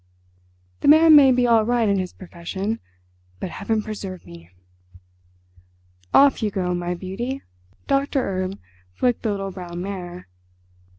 "The man may be all right in his profession—but heaven preserve me." "Off you go, my beauty." Doctor Erb flicked the little brown mare.